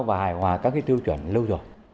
tài hòa các tiêu chuẩn lâu rồi